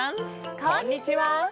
こんにちは！